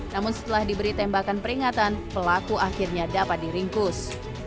namun setelah diberi tembakan peringatan pelaku akhirnya dapat diringkus